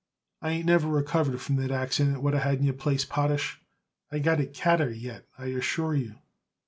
I ain't never recovered from that accident what I had in your place, Potash. I got it catarrh yet, I assure you."